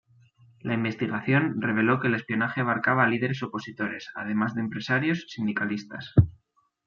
La investigación reveló que el espionaje abarcaba a líderes opositores, además de empresarios, sindicalistas.